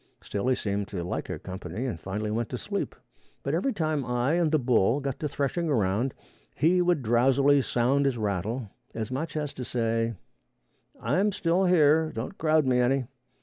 Still he seemed to like our company, and finally went to sleep; but every time I and the bull got to threshing around, he would drowsily sound his rattle, as much as to say, "I am still here; don't crowd me any."